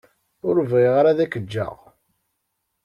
Ur bɣiɣ ara ad k-ǧǧeɣ.